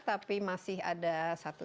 tapi masih ada satu